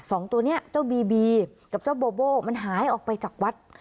สองตัวนี้เจ้าบีบีกับเจ้าโบโบมันหายออกไปจากวัด